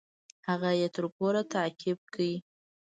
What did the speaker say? هغه يې تر کوره تعقيب کړى.